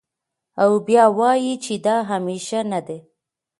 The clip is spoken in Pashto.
او بيا وائې چې د همېشه نۀ دے